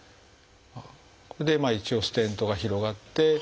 これで一応ステントが広がって。